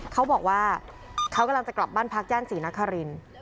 เขาบอกว่าเขากำลังจะกลับบ้านพักย่านศรีนคริน